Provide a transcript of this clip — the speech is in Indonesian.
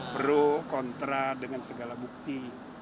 pro kontra dengan segala bukti